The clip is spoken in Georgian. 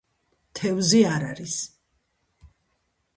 თევზი არ არის.